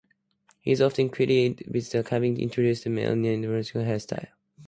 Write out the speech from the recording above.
He is often credited with having introduced the male Neoclassical hairstyle.